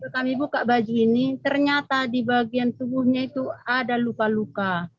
kami buka baju ini ternyata di bagian tubuhnya itu ada luka luka